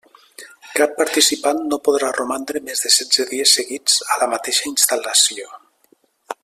Cap participant no podrà romandre més de setze dies seguits a la mateixa instal·lació.